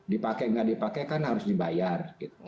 dipakai nggak dipakai kan harus dibayar